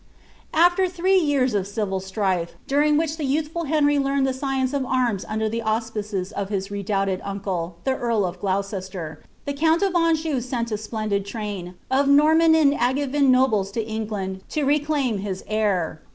After three years of civil strife, during which the youthful Henry learned the science of arms under the auspices of his redoubted uncle, the earl of Gloucester, the count of Anjou sent a splendid train of Nor man and Angevin nobles to England, to reclaim his heir.